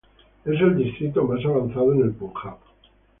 Es el distrito más avanzado en el Punjab.